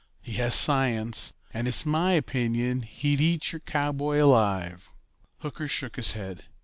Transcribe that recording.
He has science, and it's my opinion he'd eat your cowboy alive." Hooker shook his head.